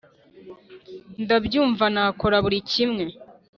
ndabyumva nakora buri kimwe